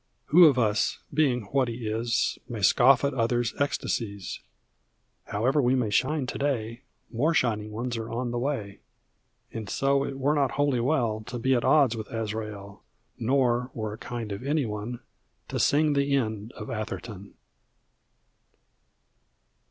Who of us, being what he is. May scoff at others' ecstasies ? However we may shine to day. More shining ones are on the way; And so it were not wholly well To be at odds with Azrael, — Nor were it kind of any one To sing the end of Atherton.